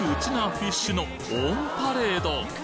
フィッシュのオンパレード！